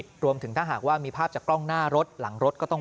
รวมถึงถ้าหากว่ามีภาพจากกล้องหน้ารถหลังรถก็ต้อง